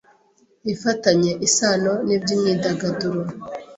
ifitanye isano n’iby’imyidagaduro.